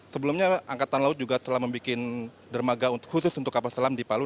sebelumnya angkatan laut juga telah membuat dermaga khusus untuk kapal selam di palu